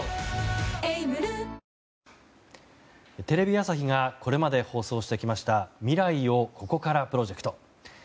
テレビ朝日がこれまで放送してきました未来をここからプロジェクト。